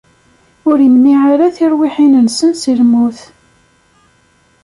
Ur imniɛ ara tirwiḥin-nsen si lmut.